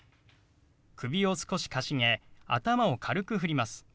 首を少しかしげ頭を軽くふります。